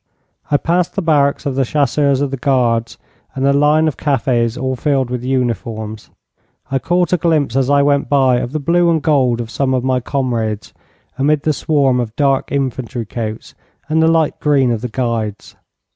I passed the barracks of the Chasseurs of the Guards, and the line of cafes all filled with uniforms. I caught a glimpse as I went by of the blue and gold of some of my comrades, amid the swarm of dark infantry coats and the light green of the Guides.